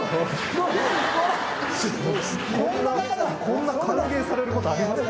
こんな歓迎されることあります？